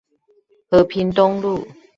和平東路